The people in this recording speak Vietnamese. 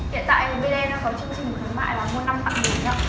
hiện tại bdm có chương trình khám mại là mua năm tặng một hộp